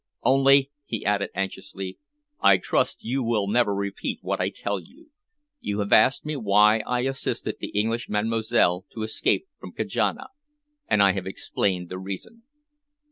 Only," he added anxiously, "I trust you will never repeat what I tell you. You have asked me why I assisted the English Mademoiselle to escape from Kajana, and I have explained the reason."